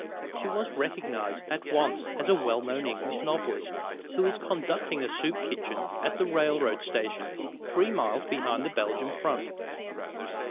She was recognised at once as a well known English novelist who is conducting a soup kitchen at a railroad station three miles behind the Belgian front.